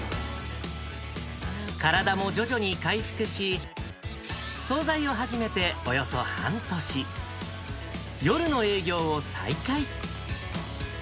体も徐々に回復し、総菜を始めておよそ半年、夜の営業を再開。